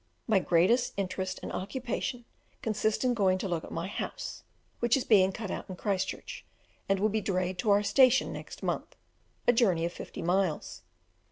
My greatest interest and occupation consist in going to look at my house, which is being cut out in Christchurch, and will be drayed to our station next month, a journey of fifty miles.